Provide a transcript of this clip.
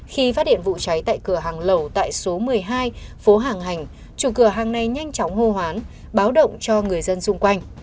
khi phát hiện vụ cháy tại cửa hàng lẩu tại số một mươi hai phố hàng hành chủ cửa hàng này nhanh chóng hô hoán báo động cho người dân xung quanh